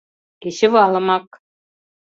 Кечывалымак!